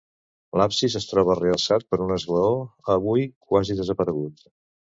L'absis es troba realçat per un esglaó, avui quasi desaparegut.